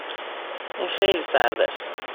این خیلی سرد است.